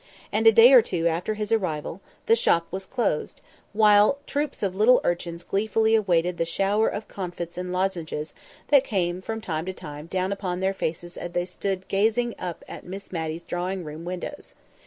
And a day or two after his arrival, the shop was closed, while troops of little urchins gleefully awaited the shower of comfits and lozenges that came from time to time down upon their faces as they stood up gazing at Miss Matty's drawing room windows.